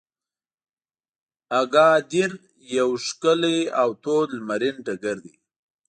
اګادیر یو ښکلی او تود لمرین ډګر دی.